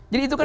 jadi itu kan